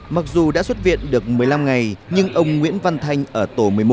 mặc dù đã xuất viện được một mươi năm ngày nhưng ông nguyễn văn thanh ở tổ một mươi một